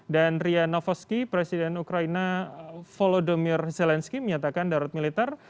dan ria novosky presiden ukraina volodymyr zelensky menyatakan darurat militer